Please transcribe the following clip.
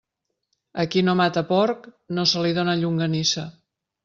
A qui no mata porc, no se li dóna llonganissa.